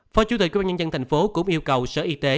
phó chủ tịch quy bán nhân dân thành phố cũng yêu cầu sở y tế